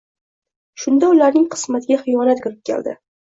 Shunda ularning qismatiga xiyonat kirib keldi!